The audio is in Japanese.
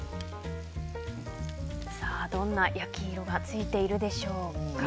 どんな焼き色がついているでしょうか。